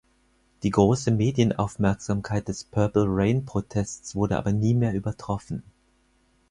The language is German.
Die große Medienaufmerksamkeit des Purple Rain Protests wurde aber nie mehr übertroffen.